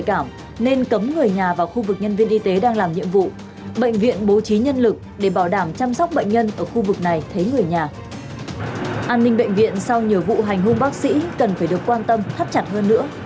an ninh bệnh viện sau nhiều vụ hành hung bác sĩ cần phải được quan tâm thắt chặt hơn nữa